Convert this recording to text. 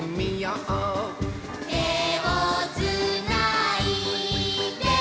「てをつないで」